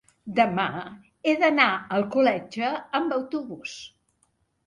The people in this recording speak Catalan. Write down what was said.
demà he d'anar a Alcoletge amb autobús.